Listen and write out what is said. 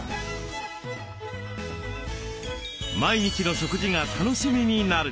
毎日の食事が楽しみになる。